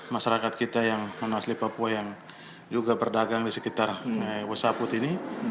masyarakat kita yang asli papua yang juga berdagang di sekitar wesa put ini